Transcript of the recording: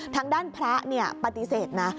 ทางด้านพระปฏิเสธนะ